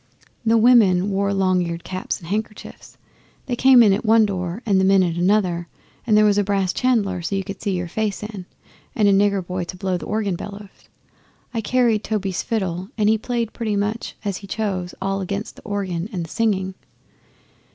The women wore long eared caps and handkerchiefs. They came in at one door and the men at another, and there was a brass chandelier you could see your face in, and a nigger boy to blow the organ bellows. I carried Toby's fiddle, and he played pretty much as he chose all against the organ and the singing.